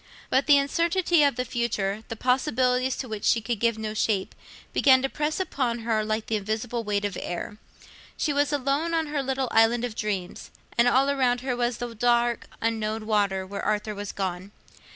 But the uncertainty of the future, the possibilities to which she could give no shape, began to press upon her like the invisible weight of air; she was alone on her little island of dreams, and all around her was the dark unknown water where Arthur was gone.